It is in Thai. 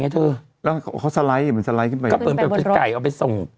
ไก่อ่ะเถอะแล้วเขาสไลด์สไลด์ขึ้นไปก็เปิดเป็นไก่เอาไปส่ง